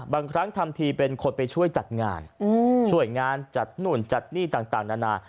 บางครั้งทำทีเป็นคนไปช่วยจัดงานช่วยงานจัดนู่นจัดนี่ต่างนานา